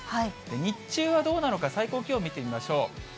日中はどうなのか、最高気温見てみましょう。